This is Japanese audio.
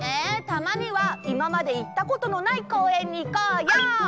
たまにはいままでいったことのないこうえんにいこうよ！